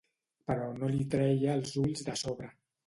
Però no li treia els ulls de sobre.